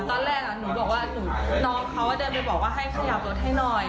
ตอนแรกหนูบอกว่าน้องเขาเดินไปบอกว่าให้ขยับรถให้หน่อย